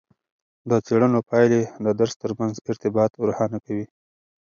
د څیړنو پایلې د درس ترمنځ ارتباطات روښانه کوي.